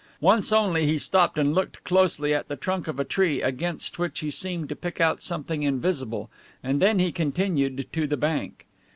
Once only he stopped and looked closely at the trunk of a tree against which he seemed to pick out something invisible, and then he continued to the bank.